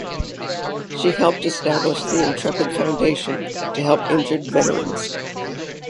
She helped establish the Intrepid Foundation to help injured veterans.